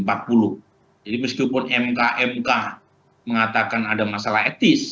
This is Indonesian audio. jadi meskipun mk mk mengatakan ada masalah etis